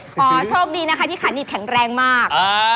ขอโชคดีนะคะที่ขาหนีบแข็งแรงมาก